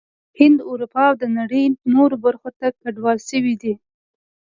هند، اروپا او د نړۍ نورو برخو ته کډوال شوي دي